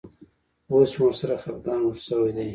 اوس مې ورسره خپګان اوږد شوی دی.